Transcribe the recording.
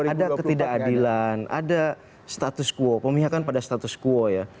ada ketidakadilan ada status quo pemihakan pada status quo ya